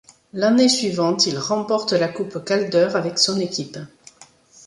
L'année suivante, il remporte la Coupe Calder avec son équipe.